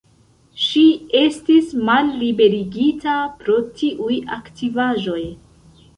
Ŝi estis malliberigita pro tiuj aktivaĵoj.